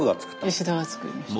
吉田が作りました。